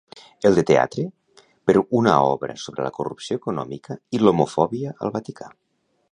El de teatre, per una obra sobre la corrupció econòmica i l'homofòbia al Vaticà.